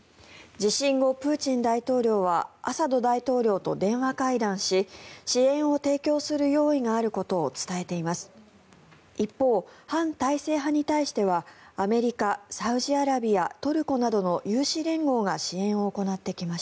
地震後、プーチン大統領はアサド大統領と電話会談し支援を提供する用意があることを伝えています。